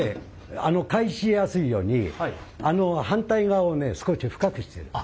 返しやすいように反対側をね少し深くしてる。